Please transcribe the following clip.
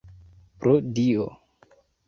Pro Dio!